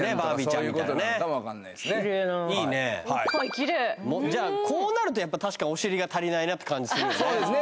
きれいこうなるとやっぱ確かにお尻が足りないなって感じするよね